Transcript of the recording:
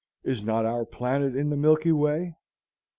is not our planet in the Milky Way?